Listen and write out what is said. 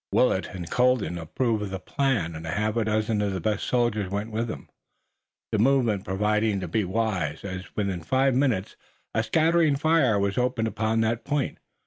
Willet and Colden approved of the plan, and a half dozen of the best soldiers went with them, the movement proving to be wise, as within five minutes a scattering fire was opened upon that point.